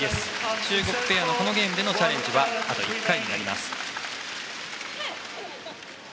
中国ペアの、このゲームでのチャレンジはあと１回。